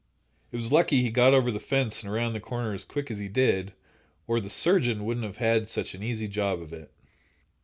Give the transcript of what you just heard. It was lucky he got over the fence and around the corner as quick as he did, or the surgeon wouldn't have had such an easy job of it.